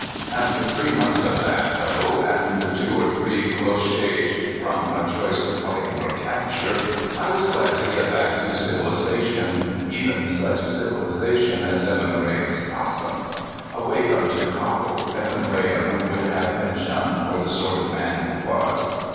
After three months of that, though, and two or three close shaves from a choice of fighting or capture, I was glad to get back to civilization, even such civilization as Evan Graham's casa. Away from Ticao, Evan Graham would have been shunned for the sort of man he was.